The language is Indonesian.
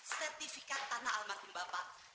sertifikat tanah almatin bapak